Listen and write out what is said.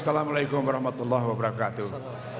assalamu'alaikum warahmatullahi wabarakatuh